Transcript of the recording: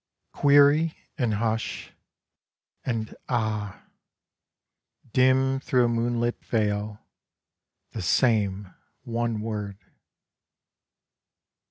Query, and hush, and Ah! dim through a moon lit veil, The same one word.